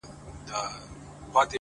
زما دردونه د دردونو ښوونځی غواړي ـ